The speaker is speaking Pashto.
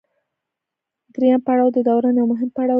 دریم پړاو د دوران یو مهم پړاو دی